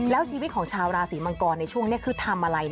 แล้วชีวิตของชาวราศีมังกรในช่วงนี้คือทำอะไร